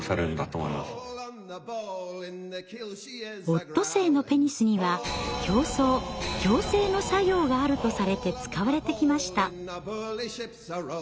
オットセイのペニスには強壮強精の作用があるとされて使われてきました。